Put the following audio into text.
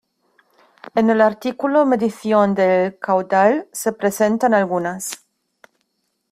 En el artículo medición del caudal se presentan algunas.